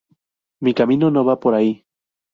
Mi camino no va por ahí.